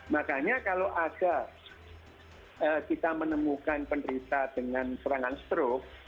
makanya kalau agak kita menemukan penderita dengan serangan struk